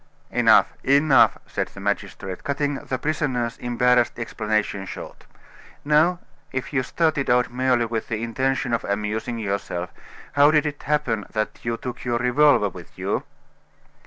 "Enough enough!" said the magistrate, cutting the prisoner's embarrassed explanation short. "Now, if you started out merely with the intention of amusing yourself, how did it happen that you took your revolver with you?"